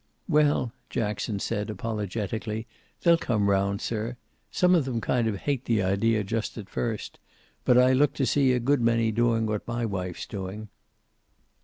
"Well," Jackson said, apologetically, "they'll come round, sir. Some of them kind of hate the idea, just at first. But I look to see a good many doing what my wife's doing."